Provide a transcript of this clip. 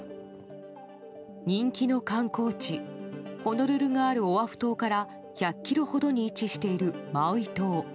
人気の観光地ホノルルがあるオアフ島から１００ｋｍほどに位置しているマウイ島。